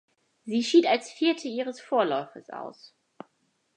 Sie schied als Vierte ihres Vorlaufes aus.